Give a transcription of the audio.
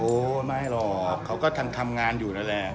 ไม่หรอกเขาก็ทำงานอยู่นั่นแหละ